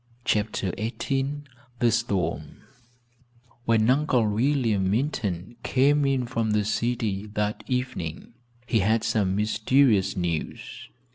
CHAPTER XVIII THE STORM When Uncle William Minturn came in from the city that evening he had some mysterious news.